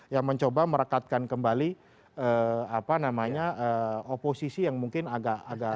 yang mencoba merekatkan kembali oposisi yang mungkin agak agak